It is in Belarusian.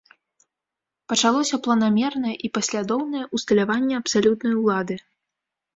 Пачалося планамернае і паслядоўнае ўсталяванне абсалютнай улады.